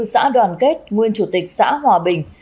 xã đoàn kết nguyên chủ tịch xã hòa bình